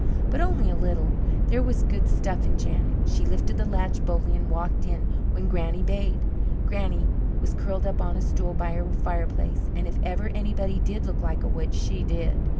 But only a little; there was good stuff in Janet; she lifted the latch boldly and walked in when Granny bade. Granny was curled up on a stool by her fireplace, and if ever anybody did look like a witch, she did.